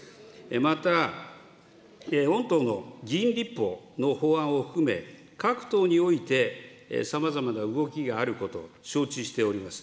また、御党の議員立法の法案を含め、各党においてさまざまな動きがあること、承知しております。